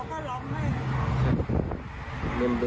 พวกเขาก็ร้องแม่